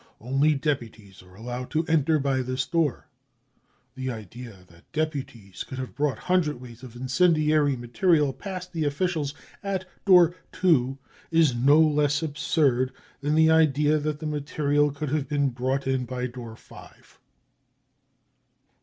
Only deputies are allowed to enter by this door. The idea that deputies could have brought hundredweights of incendiary material past the officials at door 2 is no less absurd than the idea that the material could have been brought in by door 5.